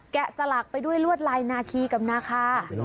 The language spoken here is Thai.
สลักไปด้วยลวดลายนาคีกับนาคา